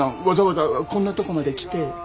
わざわざこんなとこまで来て」。